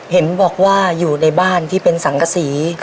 เห็นบอกว่าอยู่ในบ้านที่เป็นสังกษี